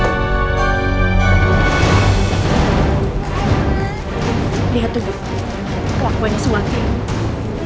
lihat tuh bu kelakuannya suake